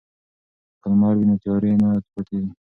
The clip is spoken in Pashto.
که لمر وي نو تیارې نه پاتیږي.